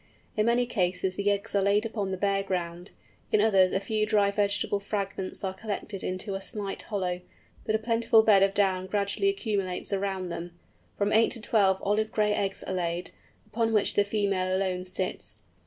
In many cases the eggs are laid upon the bare ground, in others a few dry vegetable fragments are collected into a slight hollow, but a plentiful bed of down gradually accumulates around them. From eight to twelve olive gray eggs are laid, upon which the female alone sits.